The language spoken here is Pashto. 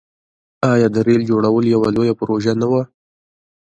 آیا د ریل جوړول یوه لویه پروژه نه وه؟